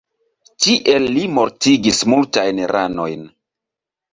Tiel li mortigis multajn ranojn.